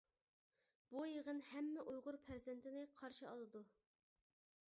بۇ يىغىن ھەممە ئۇيغۇر پەرزەنتىنى قارشى ئالىدۇ.